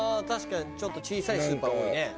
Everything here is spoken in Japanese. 確かにちょっと小さいスーパー多いね。